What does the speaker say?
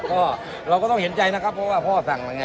ค่ะเราก็ต้องเห็นใจนะครับว่าพ่อสั่งเลยไง